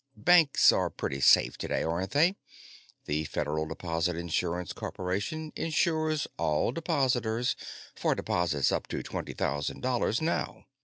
"Banks are pretty safe today, aren't they? The Federal Deposit Insurance Corporation insures all depositors for deposits up to twenty thousand dollars now.